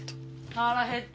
腹減った。